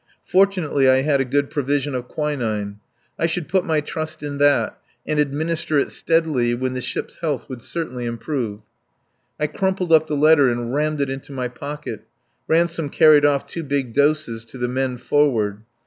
Fortunately I had a good provision of quinine. I should put my trust in that, and administer it steadily, when the ship's health would certainly improve. I crumpled up the letter and rammed it into my pocket. Ransome carried off two big doses to the men forward.